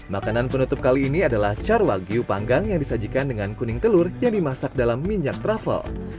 makanan penutup kali ini adalah carwagyu panggang yang disajikan dengan kuning telur yang dimasak dalam minyak truffle